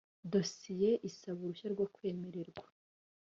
dosiye isaba uruhushya rwo kwemererwa